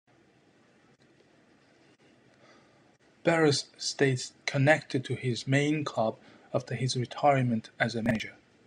Barros stayed connected to his main club after his retirement, as a manager.